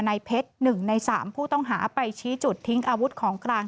ในเพชร๑ใน๓ผู้ต้องหาไปชี้จุดทิ้งอาวุธของกลาง